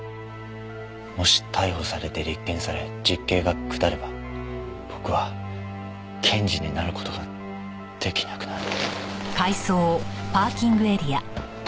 もし逮捕されて立件され実刑が下れば僕は検事になる事が出来なくなる。